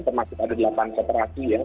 termasuk ada delapan koperasi ya